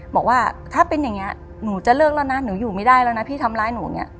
บอกว่าถ้าเป็นอย่างนี้หนูจะเลิกแล้วนะหนูอยู่ไม่ได้แล้วนะพี่ทำร้ายหนูอย่างนี้